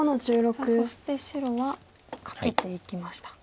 さあそして白はカケていきました。